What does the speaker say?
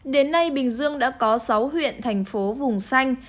đến nay bình dương đã có sáu huyện thành phố vùng xanh